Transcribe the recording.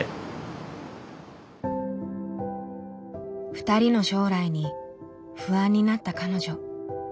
２人の将来に不安になった彼女。